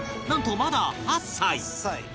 なんとまだ８歳